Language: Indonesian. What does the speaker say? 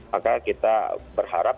maka kita berharap